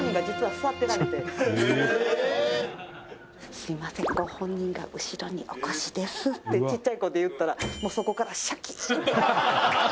「“すみませんご本人が後ろにお越しです”ってちっちゃい声で言ったらもうそこからシャキーン！って」